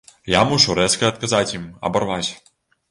Я мушу рэзка адказаць ім, абарваць.